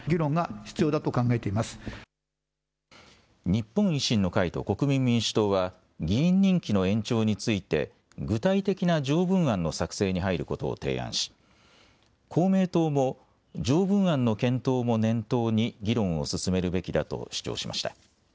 日本維新の会と国民民主党は議員任期の延長について具体的な条文案の作成に入ることを提案し公明党も条文案の検討も念頭に議論を進めるべきだと主張しました。